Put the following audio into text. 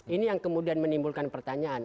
ini yang kemudian menimbulkan pertanyaan